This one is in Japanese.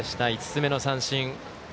５つ目の三振。